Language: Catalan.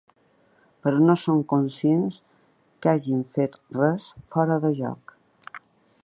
Però no som conscients que hàgim fet res fora de lloc.